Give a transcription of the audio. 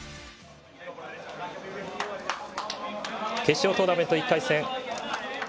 決勝トーナメント１回戦。